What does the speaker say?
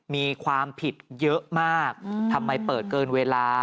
มีความผิดเยอะมากทำไมเปิดเกินเวลา